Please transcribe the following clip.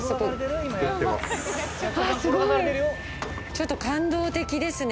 ちょっと感動的ですね。